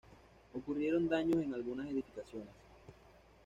Ocurrieron daños en algunas edificaciones.